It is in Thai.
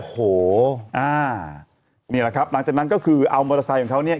โอ้โหอ่านี่แหละครับหลังจากนั้นก็คือเอามอเตอร์ไซค์ของเขาเนี่ย